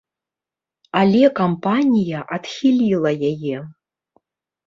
Але кампанія адхіліла яе.